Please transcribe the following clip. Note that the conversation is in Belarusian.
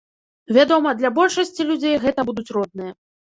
Вядома, для большасці людзей гэта будуць родныя.